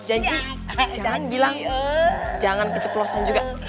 janji jangan bilang jangan keceplosan juga